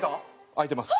開いてます。